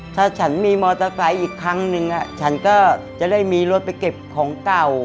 ถ้าฉันมีมอเตอร์ไซค์อีกครั้งนึงฉันก็จะได้มีรถไปเก็บของเก่า